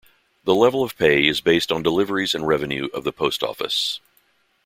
The level of pay is based on deliveries and revenue of the post office.